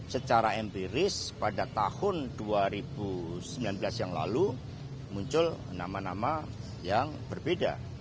secara empiris pada tahun dua ribu sembilan belas yang lalu muncul nama nama yang berbeda